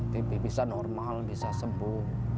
tipi bisa normal bisa sembuh